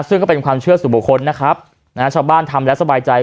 ซึ่งก็เป็นความเชื่อสู่บุคคลนะครับนะฮะชาวบ้านทำแล้วสบายใจ